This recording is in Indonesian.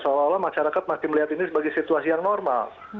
seolah olah masyarakat masih melihat ini sebagai situasi yang normal